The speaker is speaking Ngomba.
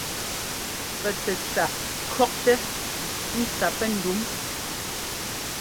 Pɛ tsɛtsa kʉ̈ktɛ́ ntsa pɛ́ ndǔm.